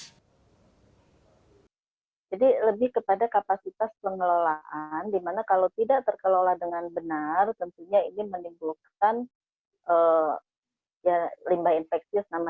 pertama limbah infeksius namanya ya bakteri ada di situ ya